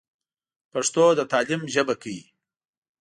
پښتو د تعليم ژبه کړئ.